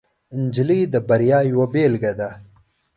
نجلۍ د بریا یوه بیلګه ده.